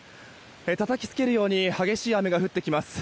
たたきつけるように激しい雨が降ってきます。